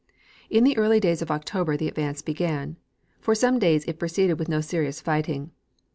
In the early days of October the advance began. For some days it proceeded with no serious fighting.